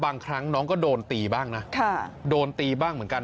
บางครั้งน้องก็โดนตีบ้างนะโดนตีบ้างเหมือนกัน